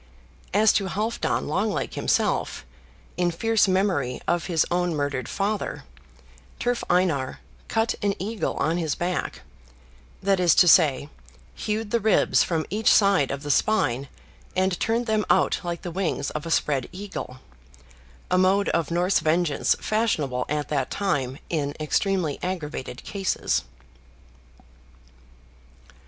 As to Halfdan Long leg himself, in fierce memory of his own murdered father, Turf Einar "cut an eagle on his back," that is to say, hewed the ribs from each side of the spine and turned them out like the wings of a spread eagle: a mode of Norse vengeance fashionable at that time in extremely aggravated cases!